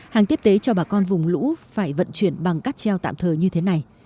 hàng tiếp tế cho bà con vùng lũ phải vận chuyển bằng cắt treo tạm thời như thế này